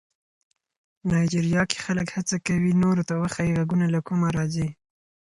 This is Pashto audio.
نایجیریا کې خلک هڅه کوي نورو ته وښيي غږونه له کومه راځي.